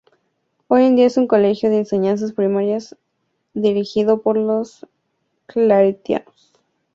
Hoy en día es un colegio de enseñanza primaria dirigido por los claretianos.